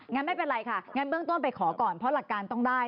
งั้นไม่เป็นไรค่ะงั้นเบื้องต้นไปขอก่อนเพราะหลักการต้องได้